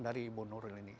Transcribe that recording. dari ibu nuril ini